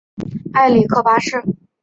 埃里克八世。